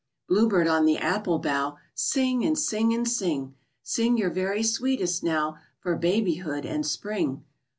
Bluebird on the apple bough, Sing and sing and sing! Sing your very sweetest now For babyhood and spring!